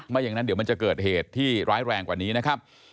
อย่างนั้นเดี๋ยวมันจะเกิดเหตุที่ร้ายแรงกว่านี้นะครับ